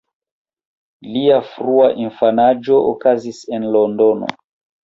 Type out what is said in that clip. Lia frua infanaĝo okazis en Londono.